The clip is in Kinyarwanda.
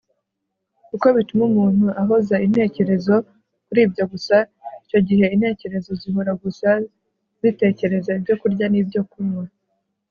kuko bituma umuntu ahoza intekerezo kuri ibyo gusa. icyo gihe, intekerezo zihora gusa zitekereza ibyokurya n'ibyokunywa